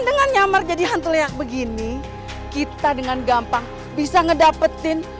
dengan nyamar jadi hantul yang begini kita dengan gampang bisa ngedapetin